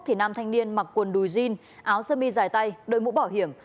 thì nam thanh niên mặc quần đùi jean áo sơ mi dài tay đôi mũ bảo hiểm